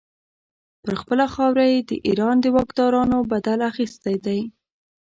پر خپله خاوره یې د ایران د واکدارانو بدل اخیستی دی.